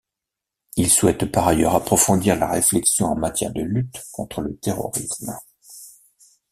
Il souhaite par ailleurs approfondir la réflexion en matière de lutte contre le terrorisme.